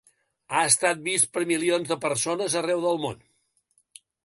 Ha estat vist per milions de persones arreu del món.